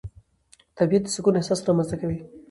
طبیعت د سکون احساس رامنځته کوي